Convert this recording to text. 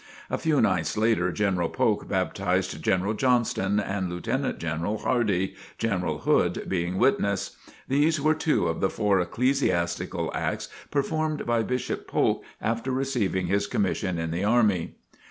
A few nights later, General Polk baptized General Johnston and Lieutenant General Hardee, General Hood being witness. These were two of the four ecclesiastical acts performed by Bishop Polk after receiving his commission in the army.